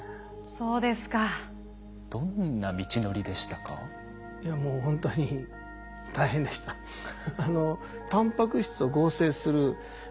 そうですか。